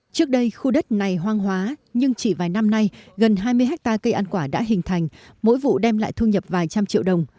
trước đây khu đất này hoang hóa nhưng chỉ vài năm nay gần hai mươi hectare cây ăn quả đã hình thành mỗi vụ đem lại thu nhập vài trăm triệu đồng